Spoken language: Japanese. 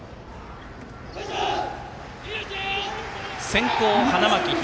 先攻、花巻東。